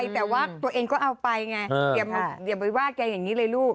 แต่ว่าตัวเองก็เอาไปไงอย่าไปว่าแกอย่างนี้เลยลูก